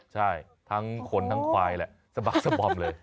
ใช่ทั้งคนทั้งควายแหละสะบักสบอมเลย